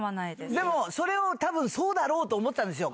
でも、それをたぶん、そうだろうと思ってたんですよ。